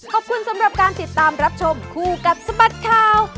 ขอบคุณสำหรับการติดตามรับชมคู่กับสบัดข่าว